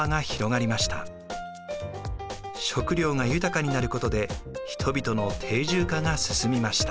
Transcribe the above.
食料が豊かになることで人々の定住化が進みました。